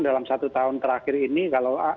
dalam satu tahun terakhir ini kalau